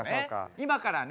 今からね